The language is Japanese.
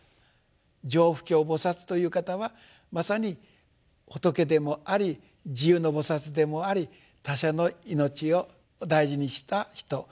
常不軽菩薩という方はまさに仏でもあり地涌の菩薩でもあり他者の命を大事にした人。